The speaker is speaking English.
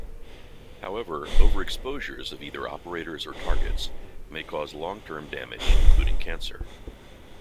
However, overexposures of either operators or targets may cause long-term damage including cancer.